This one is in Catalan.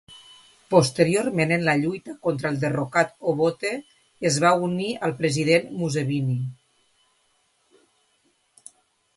Posteriorment, en la lluita contra el derrocat Obote, es va unir al president Museveni.